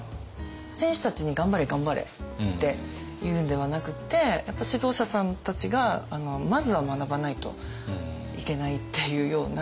選手たちに「頑張れ頑張れ」って言うんではなくってやっぱ指導者さんたちがまずは学ばないといけないっていうような。